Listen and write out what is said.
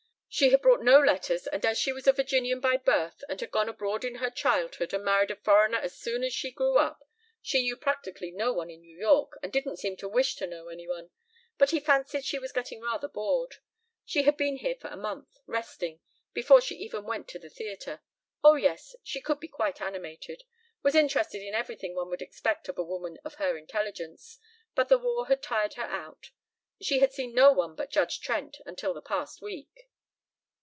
She had brought no letters and as she was a Virginian by birth and had gone abroad in her childhood and married a foreigner as soon as she grew up she knew practically no one in New York and didn't seem to wish to know any one. But he fancied she was getting rather bored. She had been here for a month resting before she even went to the theatre. Oh, yes, she could be quite animated. Was interested in everything one would expect of a woman of her intelligence. But the war had tired her out. She had seen no one but Judge Trent until the past week.